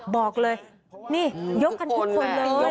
บอกเลยนี่ยกกันทุกคนเลย